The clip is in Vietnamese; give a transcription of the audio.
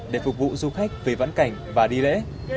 để phục vụ du khách về vãn cảnh và đi lễ